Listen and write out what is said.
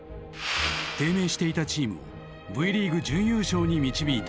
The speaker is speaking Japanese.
低迷していたチームをＶリーグ準優勝に導いた。